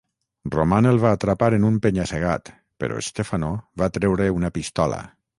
Roman el va atrapar en un penya-segat, però Stefano va treure una pistola.